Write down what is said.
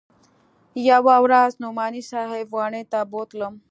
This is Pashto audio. يوه ورځ نعماني صاحب واڼې ته بوتلم.